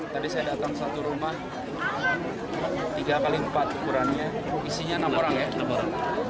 tadi saya datang ke satu rumah tiga x empat ukurannya isinya enam orang ya